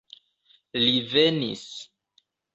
Li venis.